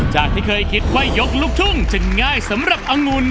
จากที่เคยคิดว่ายกลูกทุ่งจะง่ายสำหรับองุ่น